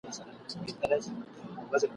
خو دربیږي په سینو کي لکه مات زاړه ډولونه ..